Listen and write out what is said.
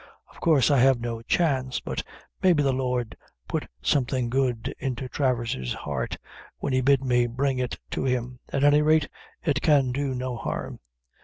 Of course I have no chance, but maybe the Lord put something good into Travers's heart, when he bid me bring it to him; at any rate it can do no harm."